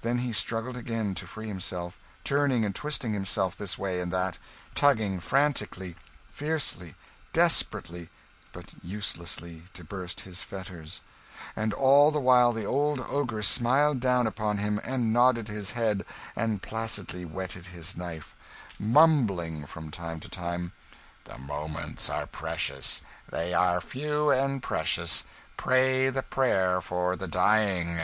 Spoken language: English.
Then he struggled again to free himself turning and twisting himself this way and that; tugging frantically, fiercely, desperately but uselessly to burst his fetters; and all the while the old ogre smiled down upon him, and nodded his head, and placidly whetted his knife; mumbling, from time to time, "The moments are precious, they are few and precious pray the prayer for the dying!"